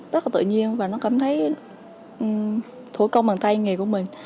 rất là tự nhiên và nó cảm thấy thủ công bằng tay nghề của mình